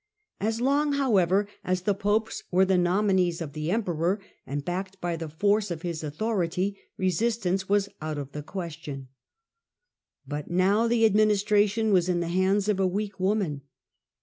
As long, however, as the popes were the nominees of the emperor, and backed by the force of his authority, resistance was out of the question. But now the administration was in the hands of a weak woman.